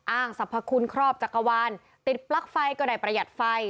อ้างสรรพคุณครอบจักรวาลติดปลั๊กไฟก็ได้ประหยัดไฟ